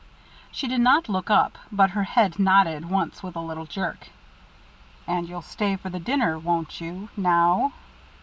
She did not look up, but her head nodded once with a little jerk. "And you'll stay for the dinner, won't you now?"